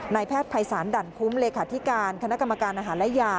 แพทย์ภัยศาลดั่นคุ้มเลขาธิการคณะกรรมการอาหารและยา